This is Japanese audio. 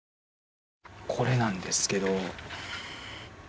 これなんですけど。